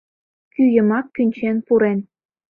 Кӱ йымак кӱнчен пурен...